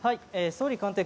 総理官邸